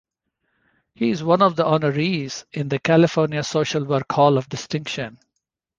He is one of the honorees in the California Social Work Hall of Distinction.